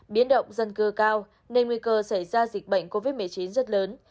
biến động dân cư cao nên nguy cơ xảy ra dịch bệnh covid một mươi chín rất lớn